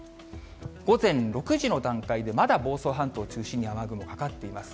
午前６時の段階で、まだ房総半島を中心に雨雲かかっています。